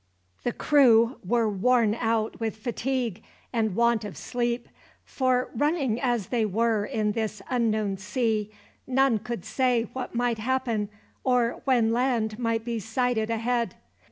The crew were worn out with fatigue and want of sleep, for running as they were in this unknown sea, none could say what might happen, or when land might be sighted ahead.